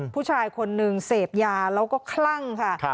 ผู้ชายคนหนึ่งเสพยาแล้วก็คลั่งค่ะ